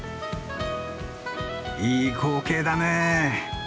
いい光景だね！